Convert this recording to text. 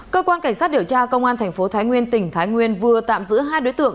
cơ quan cảnh sát điều tra công an tp thái nguyên tỉnh thái nguyên vừa tạm giữ hai đối tượng